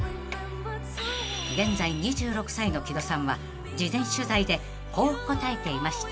［現在２６歳の木戸さんは事前取材でこう答えていました］